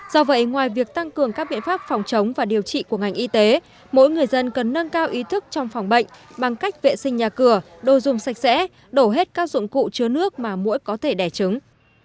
do vậy ngoài việc tăng cường các biện pháp phòng chống và điều trị của ngành y tế mỗi người dân cần nâng cao ý thức trong phòng bệnh bằng cách vệ sinh nhà cửa đồ dùng sạch sẽ đổ hết các dụng cụ chứa nước mà mỗi có thể đẻ trứng